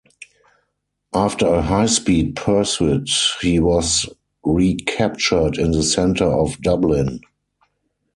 After a high-speed pursuit, he was recaptured in the centre of Dublin.